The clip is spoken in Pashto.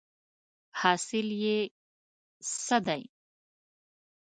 حاصل یې څه دی ؟